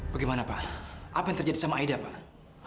bagaimana pak apa yang terjadi sama aida pak